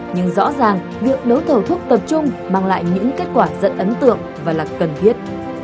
nhưng rõ ràng việc đấu thầu thuốc tập trung mang lại những kết quả rất ấn tượng và là cần thiết